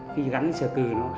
khi gắn sạc từ